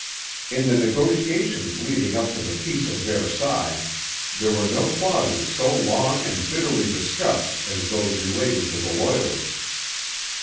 In the negotiations leading up to the Peace of Versailles there were no clauses so long and bitterly discussed as those relating to the Loyalists.